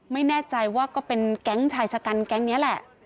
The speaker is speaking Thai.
ไม่แน่ใจว่าก็เป็นแก๊งชายชะกันแก๊งนี้แหละ